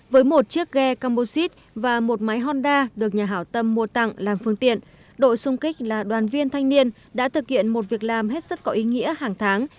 với một chiếc ghe camposite và một máy honda được nhà hảo tâm mua tặng làm phương tiện đội xung kích là đoàn viên thanh niên đã thực hiện một việc làm hết sức có ý nghĩa hàng tháng